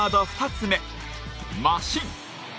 ２つ目、マシン。